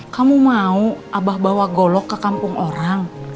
kamu mau abah bawa golok ke kampung orang